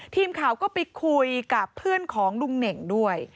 ทีมข่าวก็ไปคุยกับเพื่อนของลุงเหน่งด้วย